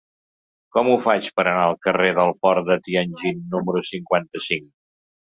Com ho faig per anar al carrer del Port de Tianjin número cinquanta-cinc?